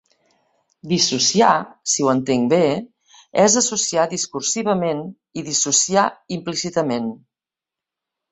«bisociar, si ho entenc bé, és associar discursivament i dissociar implícitament».